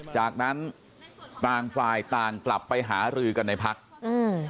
จากนั้นต่างฝ่ายต่างกลับไปหารือกันในพักอืม